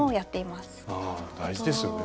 大事ですよね。